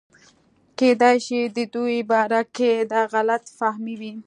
کېدے شي دَدوي باره کښې دا غلط فهمي وي